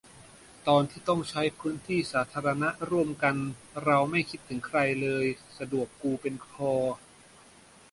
ตอนที่ต้องใช้พื้นที่สาธารณะร่วมกัน เราไม่คิดถึงใครเลย สะดวกกูเป็นพอ